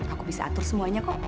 aku bisa atur semuanya kok